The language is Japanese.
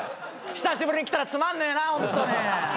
久しぶりに来たらつまんねえなホントに。